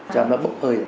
cho nó bốc hơi